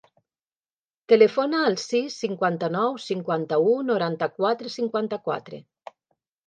Telefona al sis, cinquanta-nou, cinquanta-u, noranta-quatre, cinquanta-quatre.